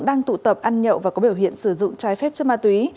đang tụ tập ăn nhậu và có biểu hiện sử dụng trái phép chất ma túy